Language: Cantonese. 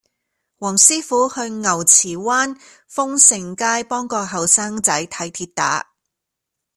黃師傅去牛池灣豐盛街幫個後生仔睇跌打